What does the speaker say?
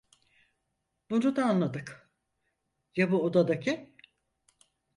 Bunu da anladık, ya bu odadaki?